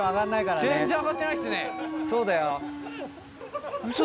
そうだよ。